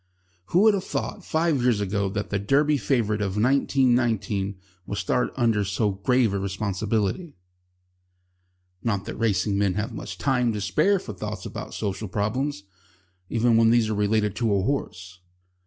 Who would have thought five years ago that the Derby favourite of 1919 would start under so grave a responsibility? Not that racing men have much time to spare for thoughts about social problems, even when these are related to a horse.